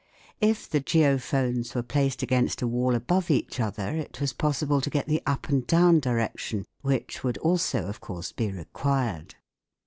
If the geophones were placed against a wall above each other, it was possible to get the up and down direction, which would also of course be required.